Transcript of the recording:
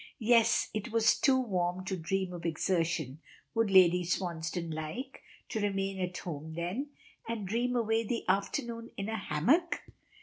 "Yes, it was too warm to dream of exertion; would Lady Swansdown like, to remain at home then, and dream away the afternoon in a hammock?"